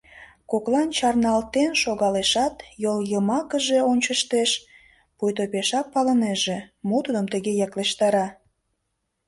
Коклан чарналтен шогалешат, йолйымакыже ончыштеш, пуйто пешак палынеже, мо тудым тыге яклештара.